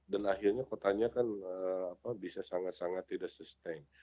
dan akhirnya kotanya kan bisa sangat sangat tidak sustain